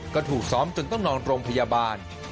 ก็ถูกซ้อมจนต้องนอนโรงพยาบาล